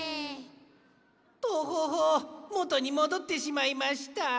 トホホもとにもどってしまいました。